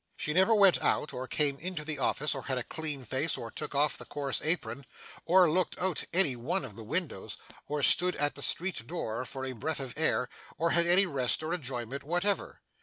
She never went out, or came into the office, or had a clean face, or took off the coarse apron, or looked out of any one of the windows, or stood at the street door for a breath of air, or had any rest or enjoyment whatever.